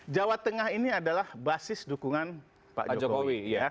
jawa tengah ini adalah basis dukungan pak jokowi